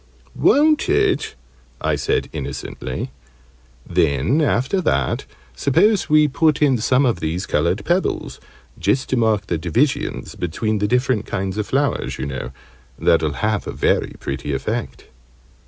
"Won't it?" I said, innocently. "Then, after that, suppose we put in some of these coloured pebbles just to mark the divisions between the different kinds of flowers, you know. That'll have a very pretty effect."